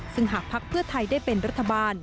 ซึ่งหากภักดิ์เพื่อไทยได้เป็นรัฐบาล